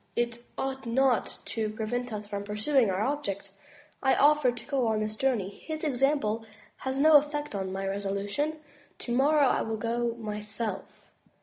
It ought not to prevent us from pursuing our object. I offered to go on this journey. His example has no effect on my resolu tion. Tomorrow I will go myself."